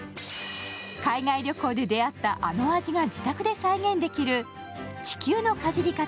海外旅行で出会ったあの味が自宅で再現できる「地球のかじり方